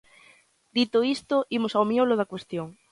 Dito isto, imos ao miolo da cuestión.